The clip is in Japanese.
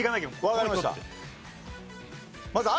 わかりました。え！？